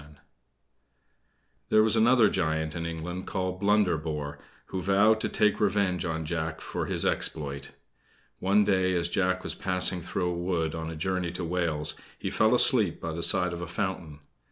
There was another giant in England called Blunderbore, who vowed to take revenge on Jack for this exploit. One day, as Jack was passing through a wood on a journey to Wales, he fell asleep by the side of a fountain.